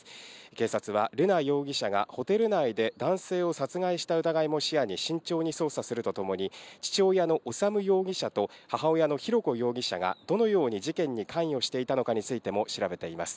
警察は瑠奈容疑者がホテル内で男性を殺害した疑いも視野に、慎重に捜査するとともに、父親の修容疑者と母親の浩子容疑者がどのように事件に関与していたのかについても調べています。